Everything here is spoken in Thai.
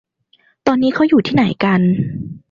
ตอนนี้เค้าอยู่ที่ไหนกัน